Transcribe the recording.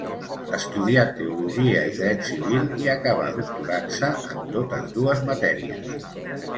Estudià teologia i dret civil, i acabà doctorant-se en totes dues matèries.